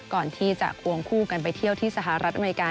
ก่อนที่จะควงคู่กันไปเที่ยวที่สหรัฐอเมริกา